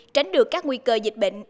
tránh được các nguy cơ dịch bệnh